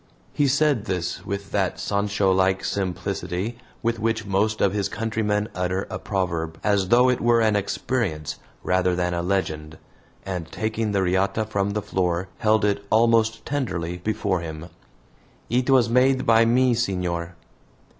He said this with that Sancho like simplicity with which most of his countrymen utter a proverb, as though it were an experience rather than a legend, and, taking the riata from the floor, held it almost tenderly before him. "It was made by me, senor."